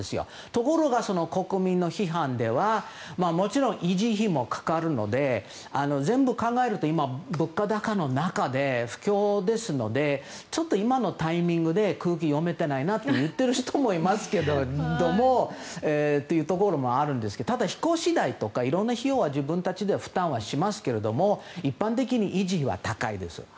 ところが、国民の批判ではもちろん、維持費もかかるので全部考えると今の物価高の中で不況ですので、今のタイミングで空気読めてないなと言ってる人もいますけどというところもあるんですがただ、引っ越し代とかいろんな費用は自分たちで負担しますけど一般的に維持は高いです。